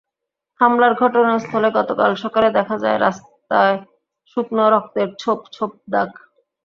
হামলার ঘটনাস্থলে গতকাল সকালে দেখা যায়, রাস্তায় শুকনো রক্তের ছোপ ছোপ দাগ।